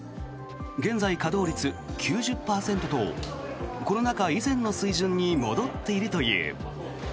現在、稼働率９０％とコロナ禍以前の水準に戻っているという。